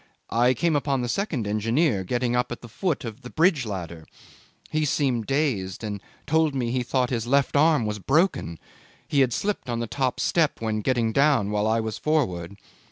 I came upon the second engineer getting up at the foot of the bridge ladder: he seemed dazed, and told me he thought his left arm was broken; he had slipped on the top step when getting down while I was forward.